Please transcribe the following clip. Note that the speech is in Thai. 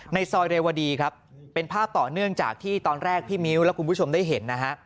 ในซอยเรวดีครับเป็นภาพต่อเนื่องจากที่ตอนแรกพี่มิ้วและคุณผู้ชมได้เห็นนะฮะ